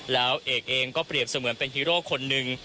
และเอกเองก็เปลี่ยนเสมือนเป็นฮีโรคคนนึง